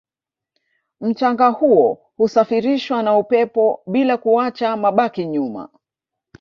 mchanga huo husafirishwa na upepo bila kuacha mabaki nyuma